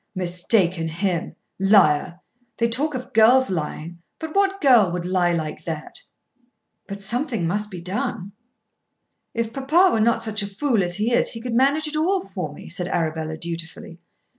Mistaken him! Liar! They talk of girls lying; but what girl would lie like that?" "But something must be done." "If papa were not such a fool as he is, he could manage it all for me," said Arabella dutifully.